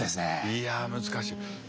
いや難しい。